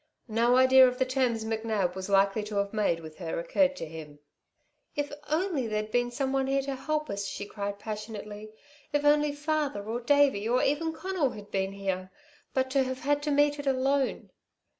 No idea of the terms McNab was likely to have made with her occurred to him. "If only there'd been someone here to help us," she cried passionately. "If only father, or Davey, or even Conal, had been here! But to have had to meet it alone."